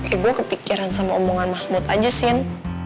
eh gua kepikiran sama omongan mahmud aja sin